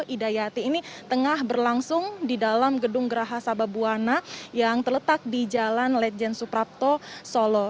idayati ini tengah berlangsung di dalam gedung geraha sababwana yang terletak di jalan lejen suprapto solo